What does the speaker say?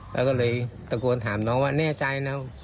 แล้วก็เลยตะโกนถามน้องว่าแน่ใจนะ